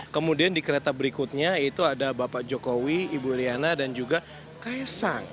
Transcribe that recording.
kemudian di kereta berikutnya itu ada bapak jokowi ibu riana dan juga kaya sang